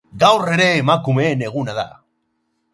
Gaur ere emakumeen eguna da.